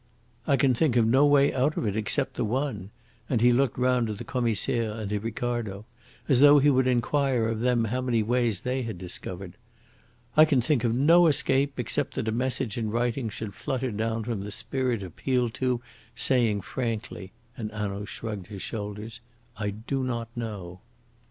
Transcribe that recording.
"I can think of no way out of it except the one," and he looked round to the Commissaire and to Ricardo as though he would inquire of them how many ways they had discovered. "I can think of no escape except that a message in writing should flutter down from the spirit appealed to saying frankly," and Hanaud shrugged his shoulders, "'I do not know.'"